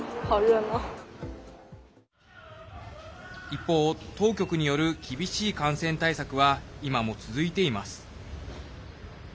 一方、当局による厳しい感染対策は今も続いています。